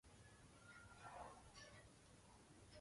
زهر په خوا کې، ښکلې برسېرې دي